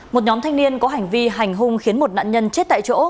một nhóm thanh niên có hành vi hành hung khiến một nạn nhân chết tại chỗ